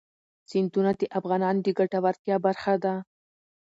سیندونه د افغانانو د ګټورتیا برخه ده.